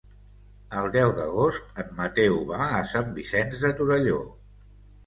El deu d'agost en Mateu va a Sant Vicenç de Torelló.